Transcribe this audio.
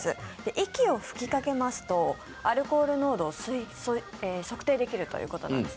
息を吹きかけますとアルコール濃度を測定できるということです。